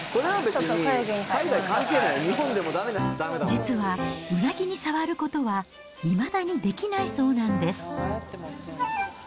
実は、うなぎに触ることはいまだにできないそうなんです。